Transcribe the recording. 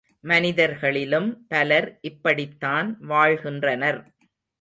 மனிதர்களிலும் பலர் இப்படித்தான் வாழ்கின்றனர்.